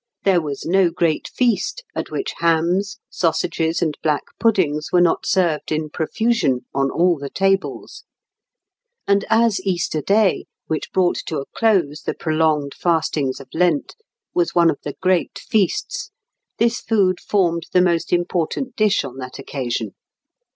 There was no great feast at which hams, sausages, and black puddings were not served in profusion on all the tables; and as Easter Day, which brought to a close the prolonged fastings of Lent, was one of the great feasts, this food formed the most important dish on that occasion.